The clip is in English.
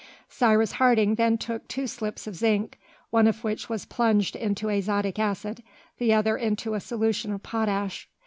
Cyrus Harding then took two slips of zinc, one of which was plunged into azotic acid, the other into a solution of potash.